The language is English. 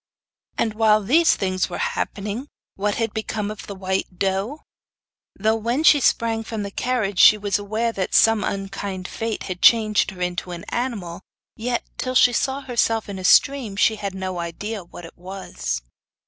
And while these things were happening, what had become of the white doe? Though when she sprang from the carriage she was aware that some unkind fate had changed her into an animal, yet, till she saw herself in a stream, she had no idea what it was.